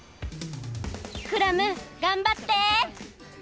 クラムがんばって！